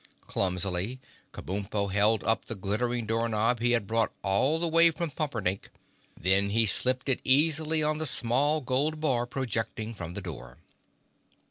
Clumsily, Kabumpo held up the glittering door knob he had brought all the way from Pumperdink; then he slipped it easily on the small gold bar projecting from the door.